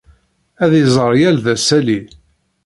Ad izeṛ yall d asalli.